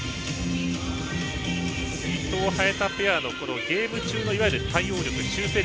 伊藤、早田ペアのゲーム中の対応力修正力